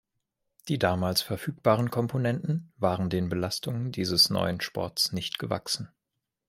Die damals verfügbaren Komponenten waren den Belastungen dieses neuen Sports nicht gewachsen.